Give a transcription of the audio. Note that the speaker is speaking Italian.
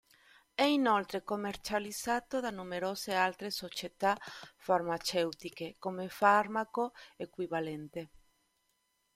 È inoltre commercializzato da numerose altre società farmaceutiche come farmaco equivalente.